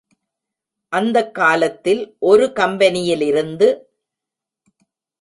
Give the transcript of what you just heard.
அந்தக் காலத்தில் ஒரு கம்பெனியிலிருந்து.